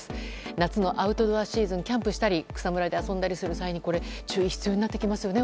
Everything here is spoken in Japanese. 夏のアウトドアシーズンキャンプしたり草むらで遊んだりする際に注意が必要になってきますね